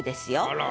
あら。